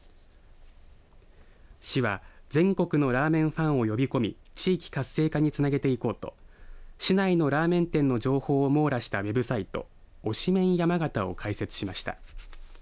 市は全国のラーメンファンを呼び込み地域活性化につなげていこうと市内のラーメン店の情報を網羅したウェブサイト＃推しメンやまがたを開設しました。